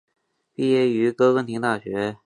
毕业于哥廷根大学。